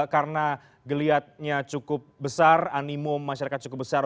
karena geliatnya cukup besar animum masyarakat cukup besar